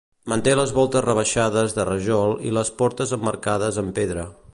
Manté les voltes rebaixades de rajol i les portes emmarcades amb pedra.